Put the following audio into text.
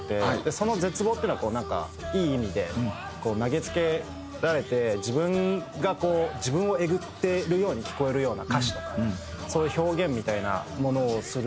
その絶望っていうのはなんかいい意味で投げつけられて自分をえぐってるように聴こえるような歌詞とかそういう表現みたいなものをする